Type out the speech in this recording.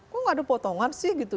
kok gak ada potongan sih gitu